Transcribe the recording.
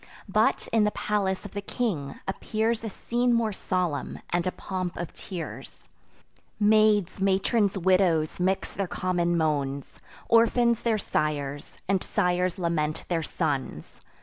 But, in the palace of the king, appears A scene more solemn, and a pomp of tears. Maids, matrons, widows, mix their common moans; Orphans their sires, and sires lament their sons.